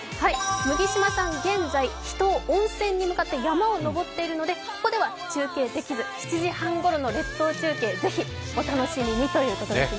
麦島さん、現在、秘湯、温泉に向かって山を登っているので、ここでは中継できず７時半ごろの列島中継是非お楽しみにということです。